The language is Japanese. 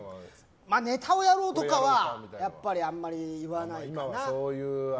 ネタをやろうとかはやっぱりあんまり言わないかな。